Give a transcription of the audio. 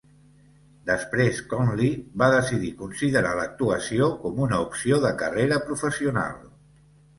Després Conley va decidir considerar l"actuació com una opció de carrera professional.